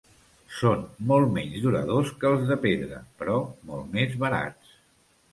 Són molt menys duradors que els de pedra, però molt més barats.